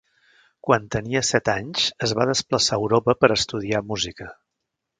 Quan tenia set anys es va desplaçar a Europa per estudiar música.